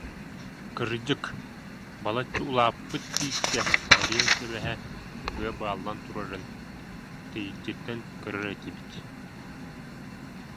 Кырдьык, балачча улааппыт тииккэ эриэн сэбэһэ быа бааллан турарын тэйиччиттэн көрөр этибит